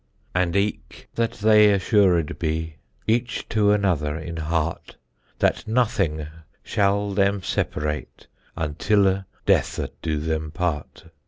And eicke that they assured bee Etche toe another in harte, That nothinge shall them seperate Untylle deathe doe them parte?